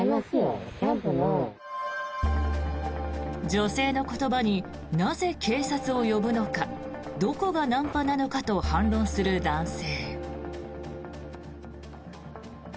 女性の言葉になぜ警察を呼ぶのかどこがナンパなのかと反論する男性。